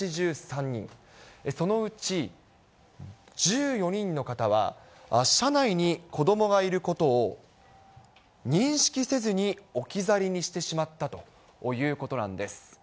そのうち１４人の方は、車内に子どもがいることを認識せずに置き去りにしてしまったということなんです。